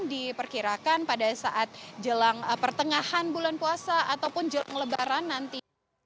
diperkirakan pada saat jelang pertengahan bulan puasa ataupun jelang lebaran nanti